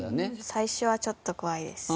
最初はちょっと怖いです。